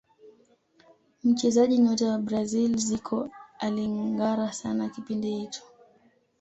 mchezaji nyota wa brazil zico alingara sana kipindi hicho